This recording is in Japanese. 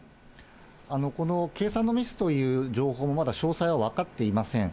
この計算のミスという情報もまだ詳細は分かっていません。